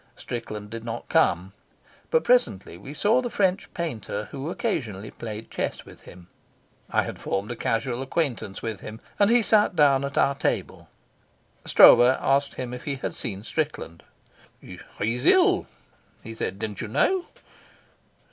Strickland did not come, but presently we saw the French painter who occasionally played chess with him. I had formed a casual acquaintance with him, and he sat down at our table. Stroeve asked him if he had seen Strickland. "He's ill," he said. "Didn't you know?"